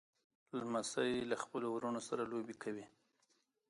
لمسی له خپلو وړو وروڼو سره لوبې کوي.